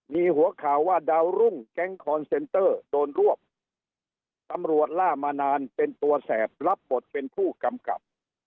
มีหัวข่าวว่าดาวรุ่งแก๊งคอนเซนเตอร์โดนรวบตำรวจล่ามานานเป็นตัวแสบรับบทเป็นผู้กำกับ